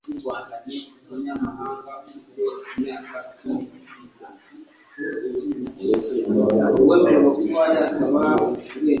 Ba sekuruza bari barivovotcye Mose ndetse bahakana ko yaba yaratumwe n'Imana.